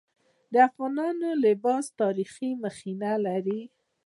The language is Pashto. د افغانانو لباسونه تاریخي مخینه لري.